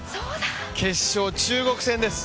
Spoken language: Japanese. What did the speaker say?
決勝、中国戦です。